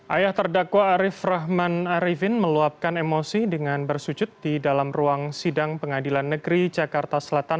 ayah terdakwa arif rahman arifin meluapkan emosi dengan bersujud di dalam ruang sidang pengadilan negeri jakarta selatan